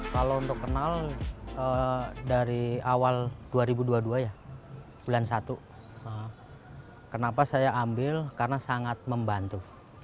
kalau untuk kenal dari awal dua ribu dua puluh dua ya bulan satu kenapa saya ambil karena sangat membantu